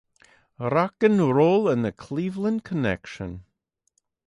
Rock 'n' Roll and the Cleveland Connection.